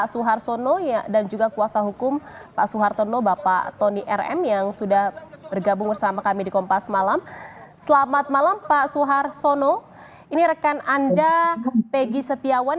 suhar sono mengaku dirinya dan pegi sedang membangun peristiwa